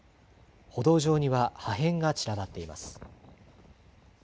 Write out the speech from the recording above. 歩道上には破片が散らばっています。